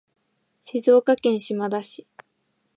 静岡県島田市